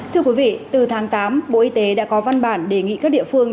thưa quý vị từ tháng tám bộ y tế đã có văn bản đề nghị các địa phương